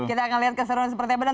kita akan lihat keseruan seperti apa